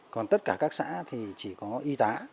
còn tất cả các xã thì chỉ có y tá